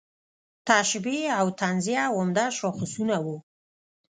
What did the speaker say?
تشبیه او تنزیه عمده شاخصونه وو.